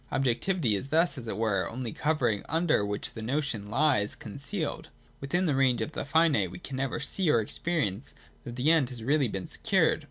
Objectivity is thus, as it were, only a covering under which the notion lies con cealed. Within the range of the finite we can never see or experience that the End has been really secured.